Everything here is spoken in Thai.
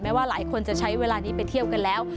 ว่าหลายคนจะใช้เวลานี้ไปเที่ยวกันแล้ว